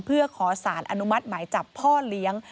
เพื่อขอสารอนุมัติหมายจับพ่อเลี้ยง